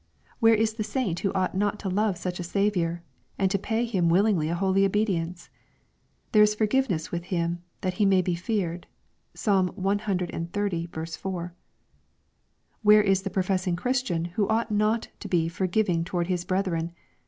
— Where is the saint who ought not to love such a Saviour, and to pay Him willingly a holy obedience ? There is forgiveness with Him, that He may be feared. (Psalm cxxx. 4.) — Where is the professing Christian who ought not to be forgiving toward his brethren